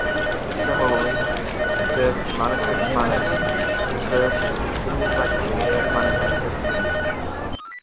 Similarly, the term, "manifest manners," refers to the continued legacy of Manifest Destiny.